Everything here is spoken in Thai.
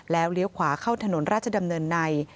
แล้วเลี้ยวขวาเข้าถนนราชดำเนินใน